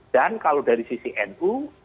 dan kalau dari sisi nu